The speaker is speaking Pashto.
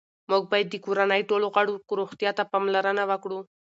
موږ باید د کورنۍ ټولو غړو روغتیا ته پاملرنه وکړو